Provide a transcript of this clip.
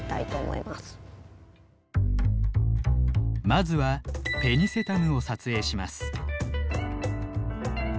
まずはペニセタムを撮影します。